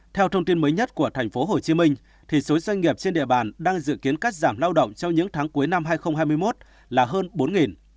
theo thông tin mới nhất của tp hcm số doanh nghiệp trên địa bàn đang dự kiến cắt giảm lao động trong những tháng cuối năm hai nghìn hai mươi một là hơn bốn